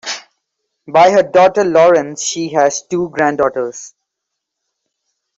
By her daughter Lauren she has two granddaughters.